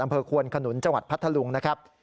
อำเภอควนขนุนจังหวัดพัทธาลุงนะครับ